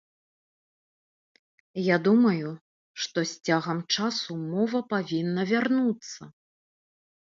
Я думаю, што з цягам часу мова павінна вярнуцца.